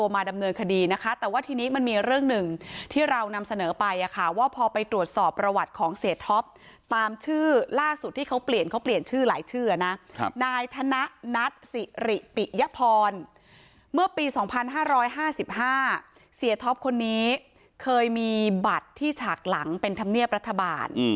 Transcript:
เมื่อปีสองพันห้าร้อยห้าสิบห้าเสียท็อปคนนี้เคยมีบัตรที่ฉากหลังเป็นธรรเมียบรัฐบาล